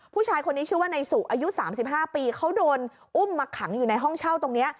ผู้ชายคนนี้ชื่อว่านายสุอายุ๓๕ปีเขาโดนอุ้มมาขังอยู่ในห้องเช่าตรงนี้